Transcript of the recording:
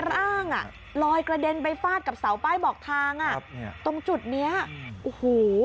ร่างอ่ะลอยกระเด็นไปฟาดกับเสาป้ายบอกทางอ่ะตรงจุดเนี้ยโอ้โห